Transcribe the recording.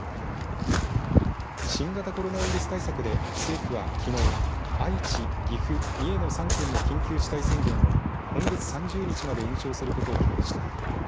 新型コロナウイルス対策で政府はきのう愛知、岐阜、三重の３県の緊急事態宣言を今月３０日まで延期することを決めました。